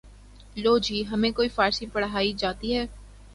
لو جی ہمیں کوئی فارسی پڑھائی جاتی ہے